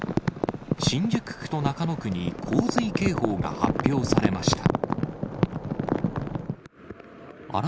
新宿区と中野区に洪水警報が発表されました。